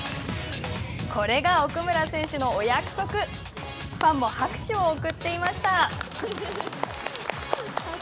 これが奥村選手のお約束ファンも拍手を送っていました。